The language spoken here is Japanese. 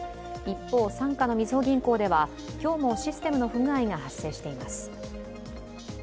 一方、傘下のみずほ銀行では今日もシステムの不具合が発生しています。